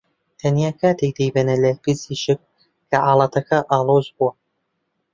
تەنیا کاتێک دەیبەنە لای پزیشک کە حاڵەتەکە ئاڵۆز بووە